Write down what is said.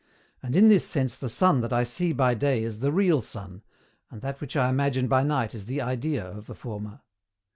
And in this sense the sun that I see by day is the real sun, and that which I imagine by night is the idea of the former.